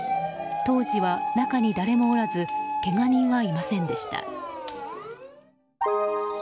当時は中に誰もおらずけが人はいませんでした。